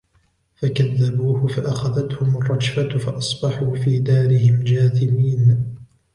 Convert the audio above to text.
فَكَذَّبُوهُ فَأَخَذَتْهُمُ الرَّجْفَةُ فَأَصْبَحُوا فِي دَارِهِمْ جَاثِمِينَ